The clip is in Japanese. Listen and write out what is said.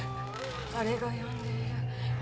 あれが読んでいる。